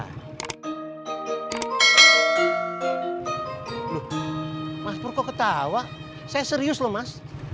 loh mas pur kok ketawa saya serius lho mas